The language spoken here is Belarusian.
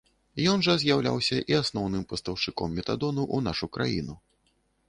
Ён жа з'яўляўся і асноўным пастаўшчыком метадону ў нашу краіну.